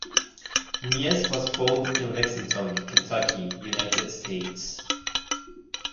Miesque was foaled in Lexington, Kentucky, United States.